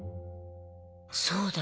そうだ。